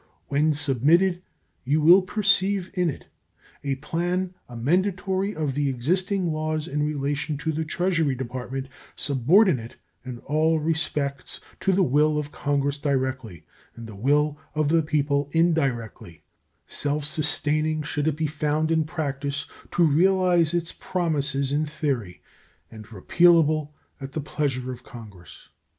When submitted, you will perceive in it a plan amendatory of the existing laws in relation to the Treasury Department, subordinate in all respects to the will of Congress directly and the will of the people indirectly, self sustaining should it be found in practice to realize its promises in theory, and repealable at the pleasure of Congress.